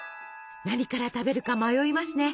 何から食べるか迷いますね。